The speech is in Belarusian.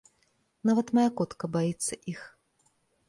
Нават мая котка баіцца іх.